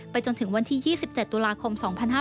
จนถึงวันที่๒๗ตุลาคม๒๕๕๙